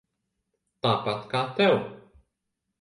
Tāpat kā tev.